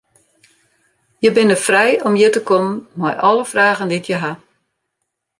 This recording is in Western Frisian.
Je binne frij om hjir te kommen mei alle fragen dy't je ha.